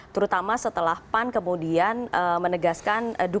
terutama setelah pan kemudian menegaskan dukungan pemerintah